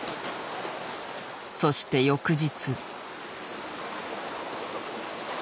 そして翌日。